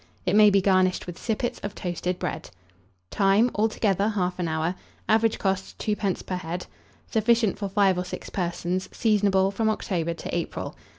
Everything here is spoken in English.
It may be garnished with sippets of toasted bread. Time. Altogether, 1/2 hour. Average cost, 2d. per head. Sufficient for 5 or 6 persons. Seasonable from October to April.